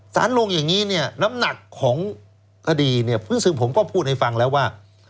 ลงอย่างนี้เนี่ยน้ำหนักของคดีเนี่ยซึ่งผมก็พูดให้ฟังแล้วว่า